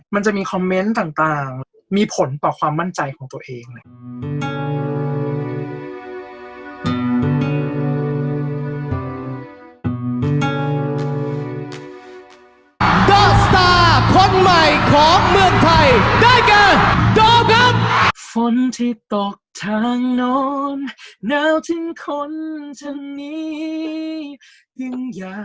มันจะมีคอมเมนต์ต่างมีผลต่อความมั่นใจของตัวเองแหละ